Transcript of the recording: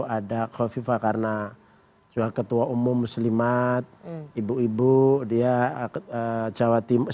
ada kofifa karena juga ketua umum muslimat ibu ibu dia jawa timur